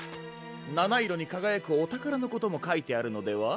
なないろにかがやくおたからのこともかいてあるのでは？